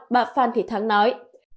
bà phan thủy thắng nói